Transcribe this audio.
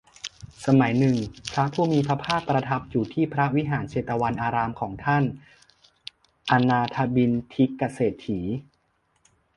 สมัยหนึ่ง พระผู้มีพระภาคประทับอยู่ที่พระวิหารเชตวันอารามของท่านอนาถบิณฑิกเศรษฐี